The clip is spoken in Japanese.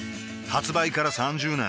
発売から３０年